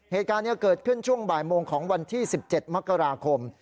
เหตุการณ์นี้เกิดขึ้นช่วงบ่ายโมงของวันที่๑๗มกราคม